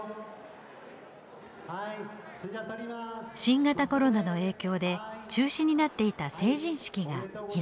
新型コロナの影響で中止になっていた成人式が開かれました。